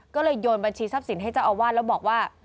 ก็เลยโยนบัญชีทรัพย์สินให้เจ้าอาวาสแล้วบอกว่า